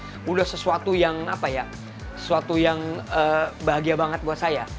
sudah sesuatu yang bahagia banget buat saya